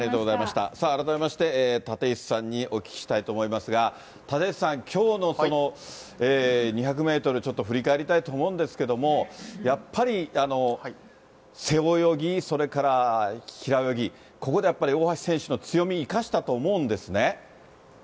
さあ改めまして、立石さんにお聞きしたいと思いますが、立石さん、きょうの２００メートル、ちょっと振り返りたいと思うんですけれども、やっぱり背泳ぎ、それから平泳ぎ、ここでやっぱり、大橋選手の強み生かしたと思うんですね。